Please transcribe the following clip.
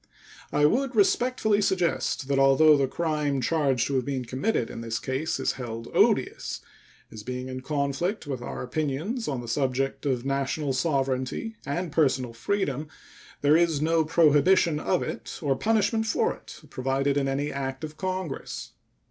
I would respectfully suggest that although the crime charged to have been committed in this case is held odious, as being in conflict with our opinions on the subject of national sovereignty and personal freedom, there is no prohibition of it or punishment for it provided in any act of Congress.